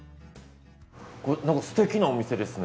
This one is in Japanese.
これなんかすてきなお店ですね。